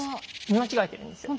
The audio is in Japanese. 見間違えてるんですよ。